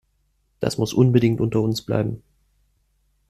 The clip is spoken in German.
Das muss unbedingt unter uns bleiben.